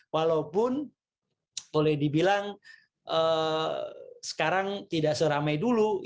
walaupun boleh dibilang sekarang tidak seramai dulu